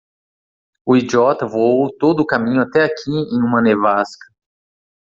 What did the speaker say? O idiota voou todo o caminho até aqui em uma nevasca.